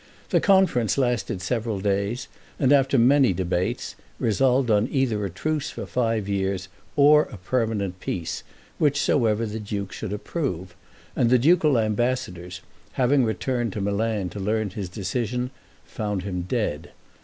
The conference lasted several days, and after many debates, resolved on either a truce for five years, or a permanent peace, whichsoever the duke should approve; and the ducal ambassadors, having returned to Milan to learn his decision, found him dead.